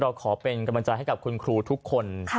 เราขอเป็นกำลังใจให้กับคุณครูทุกคน